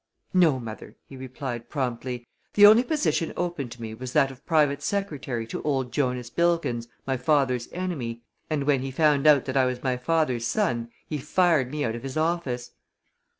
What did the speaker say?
"No, mother," he replied, promptly. "The only position open to me was that of private secretary to old Jonas Bilkins, my father's enemy, and when he found out that I was my father's son he fired me out of his office."